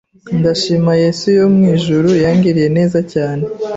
Ndashima Yesu yo mu ijuru yangiriye neza cyane